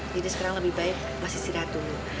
jadi sekarang lebih baik masih istirahat dulu